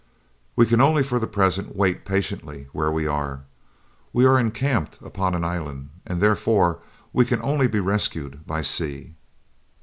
"We can only for the present wait patiently where we are. We are encamped upon an island, and therefore we can only be rescued by sea."